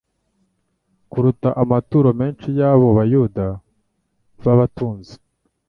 kuruta amaturo menshi y'abo bayuda b'abatunzi.